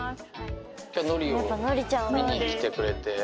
きょうはのりを見に来てくれて。